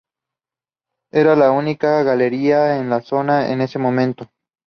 Era la única galería en la zona en ese momento.